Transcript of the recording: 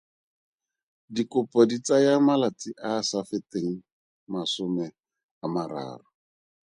Dikopo di tsaya malatsi a a sa feteng masome a mararo.